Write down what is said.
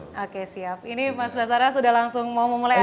oke siap ini mas basara sudah langsung mau memulai acara